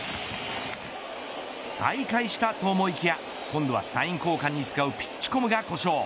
再開したと思いきや、今度はサイン交換に使うピッチコムが故障。